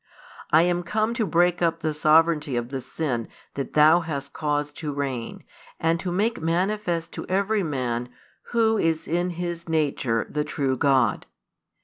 I am come to break up the sovereignty of the sin that thou hast caused to reign, and to make manifest to every man Who is in His nature the true God.